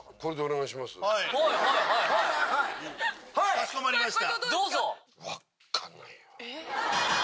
かしこまりました。